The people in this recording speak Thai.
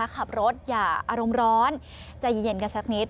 ขับรถอย่าอารมณ์ร้อนใจเย็นกันสักนิด